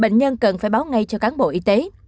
bệnh nhân cần phải báo ngay cho cán bộ y tế